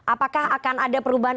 apakah akan ada perubahan